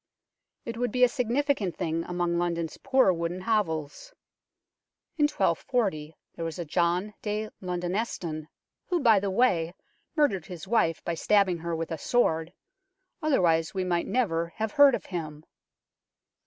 It would be a significant thing among London's poor wooden hovels. In 1240 there was a John de Londoneston, who, by the way, murdered his wife by stabbing her with a sword, otherwise we might never have heard of him.